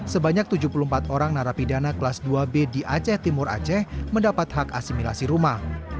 sebanyak tujuh puluh empat orang narapidana kelas dua b di aceh timur aceh mendapat hak asimilasi rumah